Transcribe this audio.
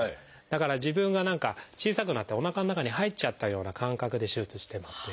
だから自分が何か小さくなっておなかの中に入っちゃったような感覚で手術してますね。